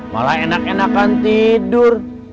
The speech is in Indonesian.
malah enak enakan tidur